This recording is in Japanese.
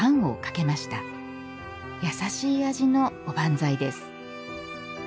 優しい味のおばんざいです。